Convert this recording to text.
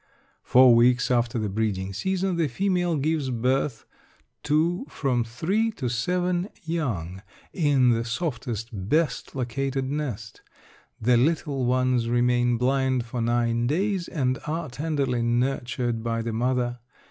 Four weeks after the breeding season the female gives birth to from three to seven young, in the softest, best located nest; the little ones remain blind for nine days and are tenderly nurtured by the mother.